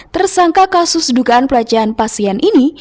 tersangka kasus dugaan pelecehan pasien ini